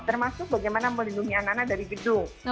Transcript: termasuk bagaimana melindungi anak anak dari gedung